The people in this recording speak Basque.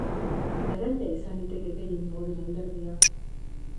Laranja izan liteke gehien igoko den alderdia.